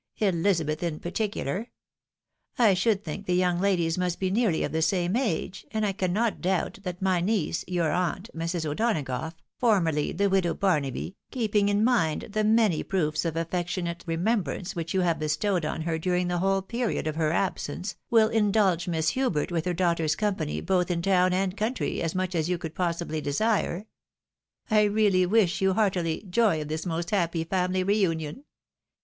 Elizabeth in particular. I should think the young ladies must be nearly of the same age, and I cannot doubt that my niece, your aunt, Mrs. O'Donagough, formerly the widow Barnaby, keeping in mind the many proofs of affectionate remembrance which you have bestowed on her during the whole period of her absence, will indulge Miss Hubert with her daughter's company both in town and country as much as you could possibly desire. I really wish you, heartily, joy of tins most happy family re union.